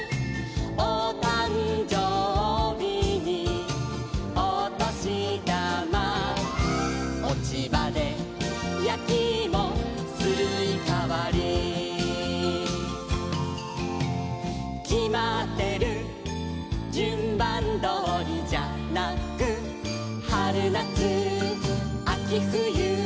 「おたんじょうびにおとしだま」「おちばでやきいもすいかわり」「きまってるじゅんばんどおりじゃなく」「はるなつあきふゆ」